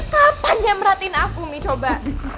kapan dia merhatiin aku nih coba